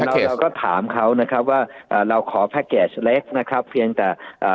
เราก็ถามเขานะครับว่าเอ่อเราขอเล็กนะครับเพียงแต่เอ่อ